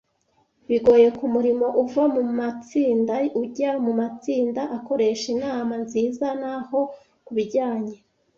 bigoye kumurimo uva mumatsinda ujya mumatsinda, akoresha inama nziza, naho kubijyanye